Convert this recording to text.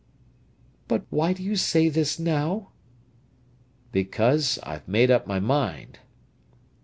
"But why do you say this now?" "Because I've made up my mind."